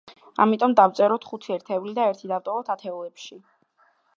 ამიტომ დავწეროთ ხუთი ერთეული და ერთი დავტოვოთ ათეულებში.